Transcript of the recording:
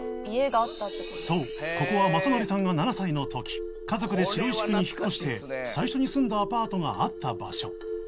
そうここは雅紀さんが７歳の時家族で白石区に引っ越して最初に住んだアパートがあった場所